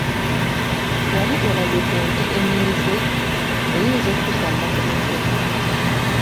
Wali olabye ku nte enyiize, eyinza okusamba ku mutwe.